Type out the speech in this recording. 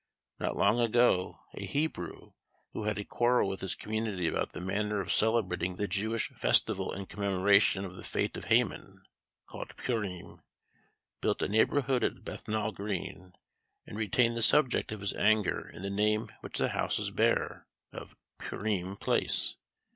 Not long ago, a Hebrew, who had a quarrel with his community about the manner of celebrating the Jewish festival in commemoration of the fate of Haman, called Purim, built a neighbourhood at Bethnal green, and retained the subject of his anger in the name which the houses bear, of Purim place.